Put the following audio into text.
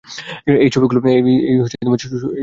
এই ছবিগুলো দেখ।